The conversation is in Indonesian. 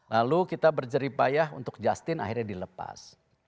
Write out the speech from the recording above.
lalu kita berjeripayah untuk justin akhirnya dilepas